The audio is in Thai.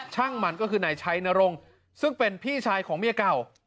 ช่างมันก็คือนายชัยนรงค์ซึ่งเป็นพี่ชายของเมียเก่า